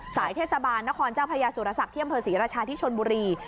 สายเทศบาลนครเจ้าพระยาสุรษักษ์เที่ยมเผอร์ศรีรชาที่ชนบุรี